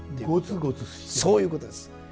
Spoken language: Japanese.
そういうことです。